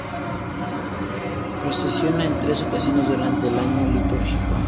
Procesiona en tres ocasiones durante el año litúrgico.